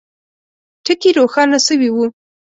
ټکي روښانه سوي وه.